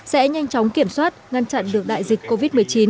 sẽ nhanh chóng kiểm soát ngăn chặn được đại dịch covid một mươi chín